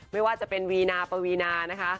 ไม่ว่าจะเป็นวีนาปวีนานะคะ